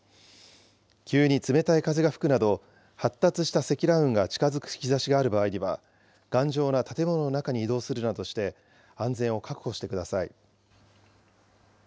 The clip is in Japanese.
急に冷たい風が吹くなど、発達した積乱雲が近づく兆しがある場合には、頑丈な建物の中に移動するなどして安全を確保してください。